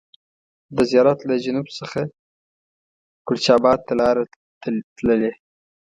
د زیارت له جنوب څخه کلچا بات ته لار تللې.